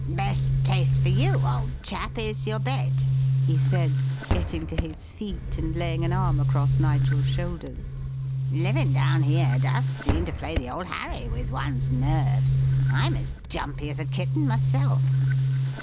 "Best place for you, old chap, is your bed," he said, getting to his feet and laying an arm across Nigel's shoulders. "Livin' down here does seem to play the old Harry with one's nerves. I'm as jumpy as a kitten myself.